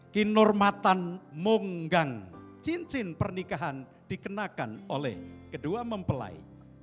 kinurmatan munggang cin cin pernikahan dikenakan oleh kedua mempelai